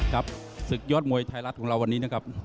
ศึกยอดมวยไทยรัฐของเราวันนี้นะครับ